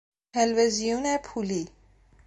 تلویزیون پولی